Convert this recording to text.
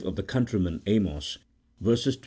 of the countryman Amos, verses 21 24.